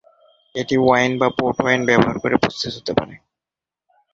এটি ওয়াইন বা port wine ব্যবহার করে প্রস্তুত হতে পারে।